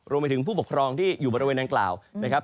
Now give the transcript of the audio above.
รวมไปถึงผู้ปกครองที่อยู่บริเวณดังกล่าวนะครับ